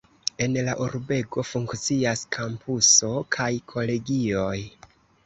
En la urbego funkcias kampuso kaj kolegioj.